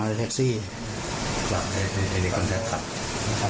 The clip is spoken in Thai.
แล้วเดี๋ยวตอนนี้ปิดไฟด้วยหรอใช่นี่นี่อีกคันพร้อมแล้วครับ